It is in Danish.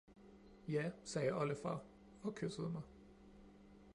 Ja, sagde oldefar og kyssede mig